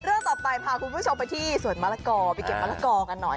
เรื่องต่อไปพาคุณผู้ชมไปที่สวนมะละกอไปเก็บมะละกอกันหน่อย